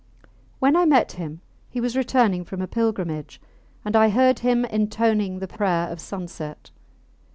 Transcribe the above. When I met him he was returning from a pilgrimage, and I heard him intoning the prayer of sunset.